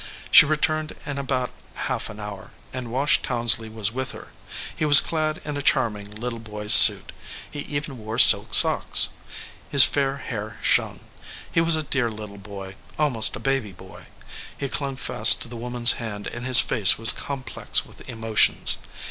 She returned in about half an hour, and Wash Townsley was with her. He was clad in a charm ing little boy suit. He even wore silk socks. His fair hair shone. He was a dear little boy, almost a baby boy. He clung fast to the woman s hand and his face was complex with emotions.